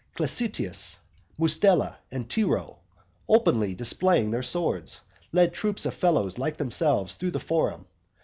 Classitius, Mustela, and Tiro, openly displaying their swords, led troops of fellows like themselves through the forum.